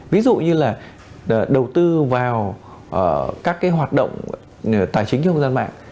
ví dụ như là đầu tư vào các hoạt động tài chính trên hông dân mạng